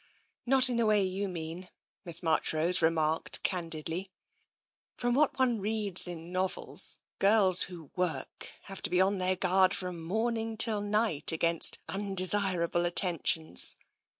" Not in the way you mean," Miss Marchrose re marked candidly. " From what one reads in novels, girls who work have to be on their guard from morn ing till night against — undesirable attentions.